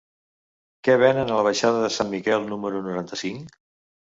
Què venen a la baixada de Sant Miquel número noranta-cinc?